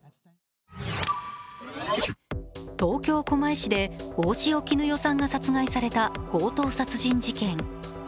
東京・狛江市で大塩衣与さんが殺害された強盗殺人事件。